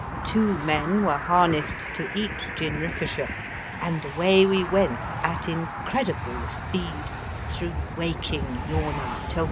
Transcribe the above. Two men were harnessed to each jinrikisha, and away we went at incre dible speed through waking, yawning Tokio.